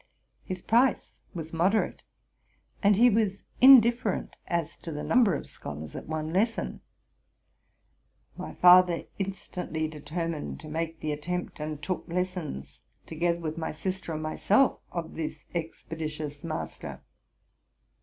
His price was moderate, and he was indifferent as to the number of scholars at one lesson. My father instantly determined tc make the attempt, and took lessons, together with my sister and myself, of this expeditious master.